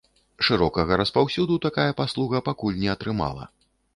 Шырокага распаўсюду такая паслуга пакуль не атрымала.